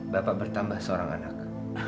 bapak bertambah seorang anak